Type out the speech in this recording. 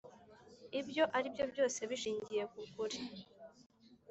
ibyo ari byo byose bishingiye kukuri.